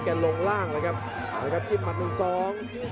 แกลงล่างล่ะครับชิบมันหนึ่งสอง